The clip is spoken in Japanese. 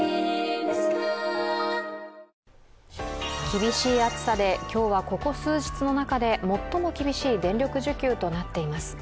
厳しい暑さで今日はここ数日の中で最も厳しい電力需給となっています。